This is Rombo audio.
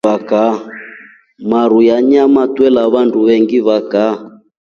Maruu ya nyama twela wandu vengi va kaa.